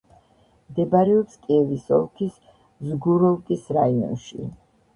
მდებარეობს კიევის ოლქის ზგუროვკის რაიონში.